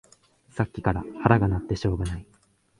さっきから腹が鳴ってしょうがない